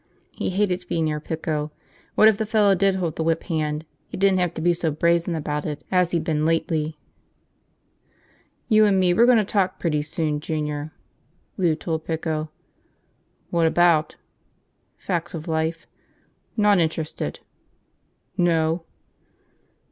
He hated to be near Pico. What if the fellow did hold the whip hand, he didn't have to be so brazen about it as he'd been lately. "You and me, we're gonna have a talk pretty soon, Junior," Lou told Pico. "What about?" "Facts of life." "Not interested." "No?"